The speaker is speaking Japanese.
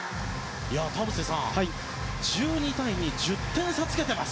田臥さん、１２対２１０点差つけてます。